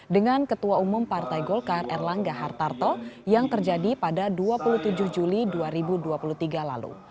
dengan ketua umum partai golkar erlangga hartarto yang terjadi pada dua puluh tujuh juli dua ribu dua puluh tiga lalu